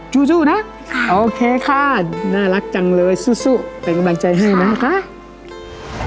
สู้นะโอเคค่ะน่ารักจังเลยสู้เป็นกำลังใจให้นะคะ